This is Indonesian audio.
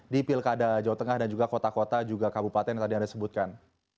di pilkada jawa tengah dan juga kota kota juga kabupaten yang tadi anda sebutkan